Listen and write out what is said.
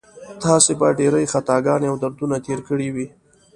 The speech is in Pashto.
تاسو به ډېرې خطاګانې او دردونه تېر کړي وي.